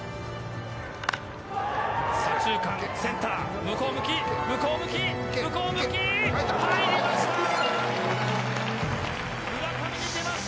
左中間、センター、向こう向き、向こう向き、向こう向き、入りました！